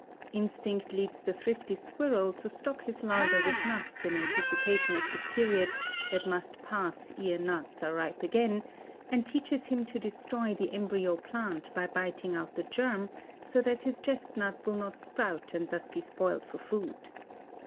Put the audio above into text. Instinct leads the thrifty squirrel to stock his larder with nuts in anticipation of the period that must pass ere nuts are ripe again, and teaches him to destroy the embryo plant by biting out the germ so that his chestnuts will not sprout and thus be spoiled for food.